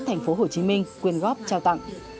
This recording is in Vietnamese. tp hcm quyên góp trao tặng